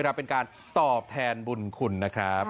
เป็นการตอบแทนบุญคุณนะครับ